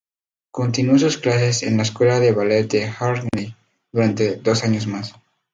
Continuó sus clases en la Escuela de Ballet del Harkness durante dos años más.